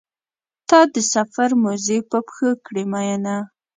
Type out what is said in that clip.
تا د سفر موزې په پښو کړې مینه.